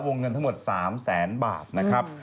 เงินทั้งหมด๓แสนบาทนะครับ